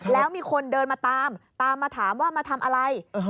แล้วมีคนเดินมาตามตามมาถามว่ามาทำอะไร